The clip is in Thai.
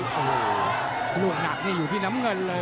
โอ้โหลูกหนักนี่อยู่ที่น้ำเงินเลย